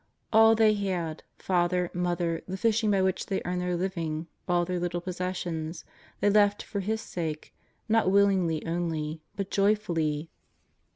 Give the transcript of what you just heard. All they had — father, mother, the fishing by which they earned their living, all their little possessions — they left for His sake, not willingly only but joyfully.